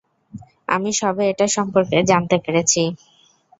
আমি সবে এটা সম্পর্কে জানতে পেরেছি।